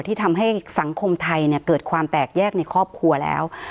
ที่ทำให้สังคมไทยเกิดความแตกแยกในครอบครัวแล้ว